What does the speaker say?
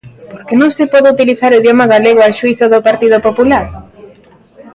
Por que non se pode utilizar o idioma galego a xuízo do Partido Popular?